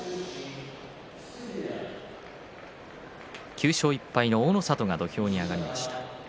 ９勝１敗の大の里が土俵に上がりました。